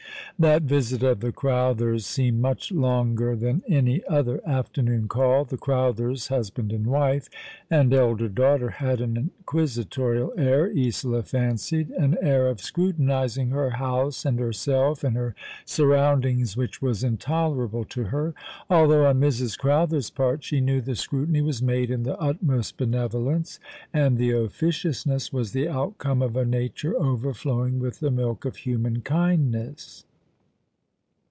That visit of the Crowthers seemed much longer than any other afternoon call. The Crowthers, husband, and wife, and elder daughter, had an inquisitorial air, Isola fancied, an air of scrutinizing her house and herself and her surround ings, which was intolerable to her; although on Mrs. Crowther's part she knew the scrutiny was made in the loo All along the River, utmost benevolence, and the officionsness was the outcome of a nature overflowing with the milk of human kindness.